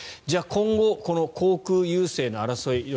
じゃあ、今後、航空優勢の争い